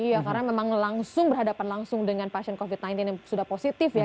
iya karena memang langsung berhadapan langsung dengan pasien covid sembilan belas yang sudah positif ya